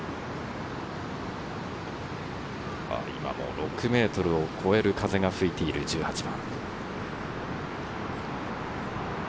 今も６メートルを超える風が吹いている１８番。